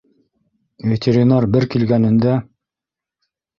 Ветеринар бер килгәнендә: